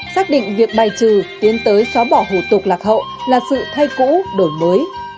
xác định việc bài trừ tiến tới xóa bỏ hủ tục lạc hậu là sự thay cũ đổi mới